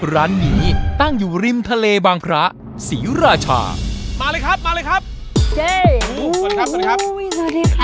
ร้านนี้ตั้งอยู่ริมทะเลบางพระศรีราชามาเลยครับมาเลยครับเฮ้ยสวัสดีครับ